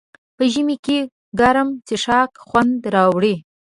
په ژمي کې ګرم څښاک خوند راوړي.